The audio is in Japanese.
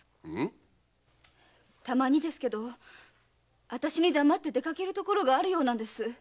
たまにですけどあたしに黙って出かける所があるようなんです。